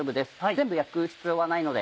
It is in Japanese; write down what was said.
全部焼く必要はないので。